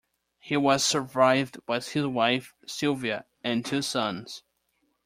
He was survived by his wife Silvia and two sons.